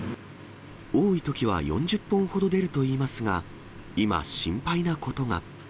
多いときは４０本ほど出るといいますが、今、心配なことが。